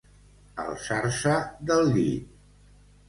Alçar-se del llit.